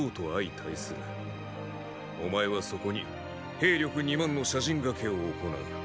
お前はそこに兵力二万の斜陣がけを行う。